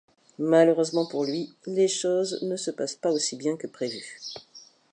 Malheureusement pour lui, les choses ne se passent pas aussi bien que prévu...